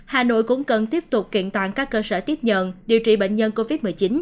hà nội cũng cần tiếp tục kiện toàn các cơ sở tiếp nhận điều trị bệnh nhân covid một mươi chín